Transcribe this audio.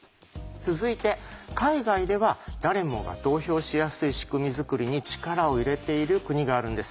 続いて海外では誰もが投票しやすい仕組み作りに力を入れている国があるんです。